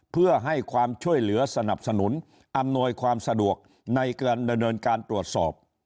เพื่อให้ความช่วยเหลือสนับสนุนอำนวยความสะดวกในการดำเนินการตรวจสอบ